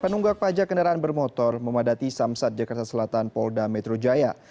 penunggak pajak kendaraan bermotor memadati samsat jakarta selatan polda metro jaya